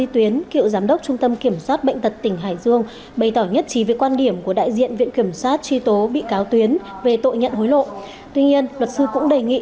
tuy nhiên luật sư cũng đề nghị